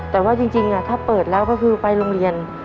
แต่ว่าจริงถ้าเปิดแล้วก็คือไปโรงเรียน